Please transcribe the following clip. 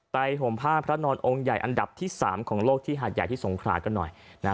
ห่มผ้าพระนอนองค์ใหญ่อันดับที่๓ของโลกที่หาดใหญ่ที่สงขรากันหน่อยนะ